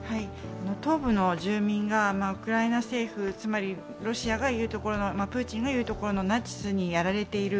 東部の住民がウクライナ政府、つまりロシアが言うところの、プーチンが言うところのナチスにやられている。